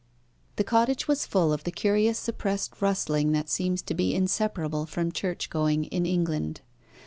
The cottage was full of the curious suppressed rustling that seems to be inseparable from church going in England.